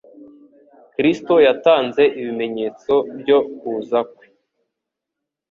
Kristo yatanze ibimenyetso byo kuza kwe.